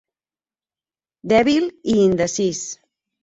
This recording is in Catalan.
Dèbil i indecís.